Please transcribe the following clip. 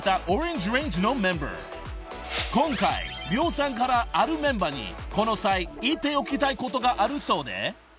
［今回ＲＹＯさんからあるメンバーにこの際言っておきたいことがあるそうで］